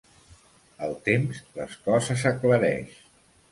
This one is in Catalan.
El temps, les coses aclareix.